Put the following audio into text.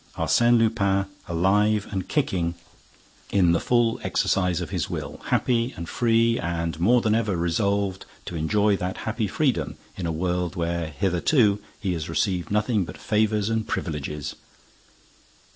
Arsène Lupin, alive and kicking, in the full exercise of his will, happy and free and more than ever resolved to enjoy that happy freedom in a world where hitherto he has received nothing but favors and privileges!"